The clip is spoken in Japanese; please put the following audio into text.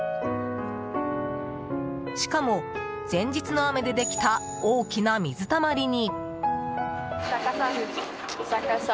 しかも、前日の雨でできた大きな水たまりに。